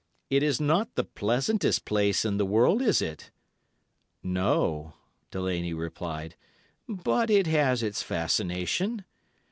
'It is not the pleasantest place in the world, is it?' "'No,' Delaney replied, 'but it has its fascination.